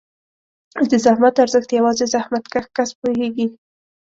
د زحمت ارزښت یوازې زحمتکښ کس پوهېږي.